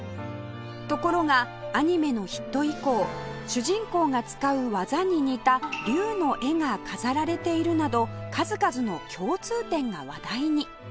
ところがアニメのヒット以降主人公が使う技に似た竜の絵が飾られているなど数々の共通点が話題に